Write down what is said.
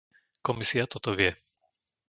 Komisia toto vie.